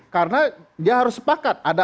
karena dia harus sepakat